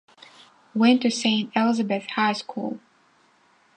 Went to Saint Elizabeth High School.